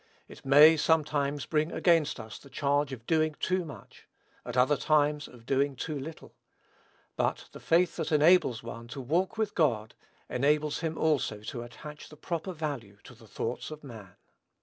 It may, sometimes, bring against us the charge of doing too much: at other times, of doing too little; but the faith that enables one to "walk with God," enables him also to attach the proper value to the thoughts of man.